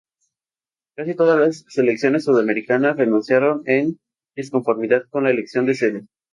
Casi todas las selecciones sudamericanas renunciaron en disconformidad con la elección de sede.